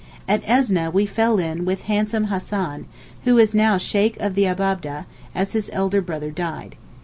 At Esneh we fell in with handsome Hassan, who is now Sheykh of the Abab'deh, as his elder brother died.